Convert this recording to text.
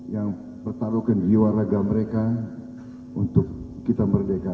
yang pertaruhkan jiwa raga mereka untuk kita merdeka